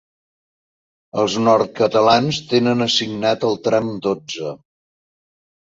Els nord-catalans tenen assignat el tram dotze.